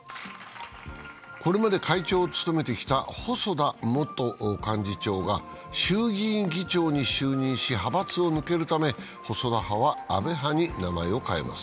これまで会長を務めてきた細田元幹事長が派閥を抜けるため、細田派は安倍派に名前を変えます。